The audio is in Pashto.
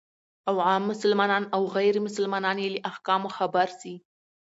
او عام مسلمانان او غير مسلمانان يې له احکامو خبر سي،